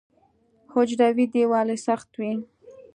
حجروي دیوال یې سخت وي.